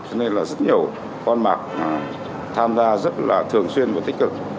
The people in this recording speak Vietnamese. cho nên là rất nhiều con bạc tham gia rất là thường xuyên và tích cực